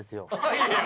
いやいや。